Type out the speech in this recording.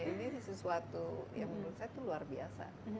ini sesuatu yang menurut saya itu luar biasa